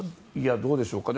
どうでしょうかね。